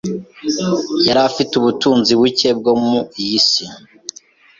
Yari afite ubutunzi buke bwo mu iyi si.